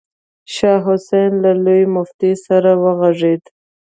شاه حسين له لوی مفتي سره غږېده.